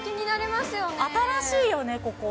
新しいよね、ここ。